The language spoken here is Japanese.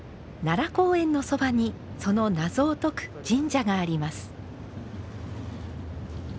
奈良公園のそばにその謎を解く神社があります。